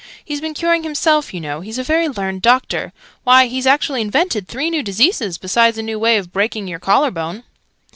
He's been curing himself, you know: he's a very learned doctor. Why, he's actually invented three new diseases, besides a new way of breaking your collar bone!"